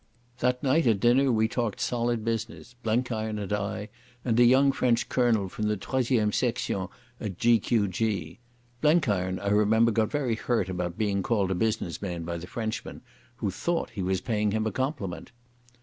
That night at dinner we talked solid business—Blenkiron and I and a young French Colonel from the IIIme Section at G.Q.G. Blenkiron, I remember, got very hurt about being called a business man by the Frenchman, who thought he was paying him a compliment.